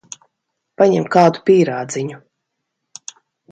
Paņem kādu pīrādziņu.